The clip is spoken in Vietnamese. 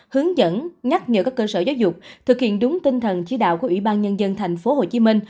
hướng dẫn nhắc nhở các cơ sở giáo dục thực hiện đúng tinh thần chỉ đạo của ủy ban nhân dân tp hcm